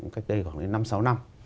cách đây khoảng năm sáu năm